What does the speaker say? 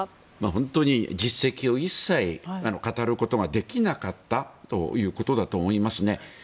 本当に実績を一切語ることができなかったということだと思いますね。